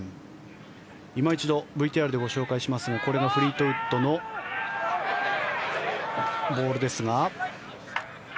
今一度ＶＴＲでご紹介しますがこれがフリートウッドのボールですが。